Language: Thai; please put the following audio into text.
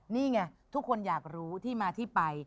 นี่ไงทุกคนอยากรู้ที่มาที่ไป